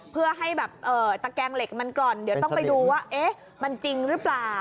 เพื่อให้แบบตะแกงเหล็กมันกร่อนเดี๋ยวต้องไปดูว่ามันจริงหรือเปล่า